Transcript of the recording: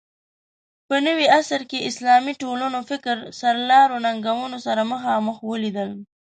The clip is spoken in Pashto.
په نوي عصر کې اسلامي ټولنو فکر سرلارو ننګونو سره مخامخ ولیدل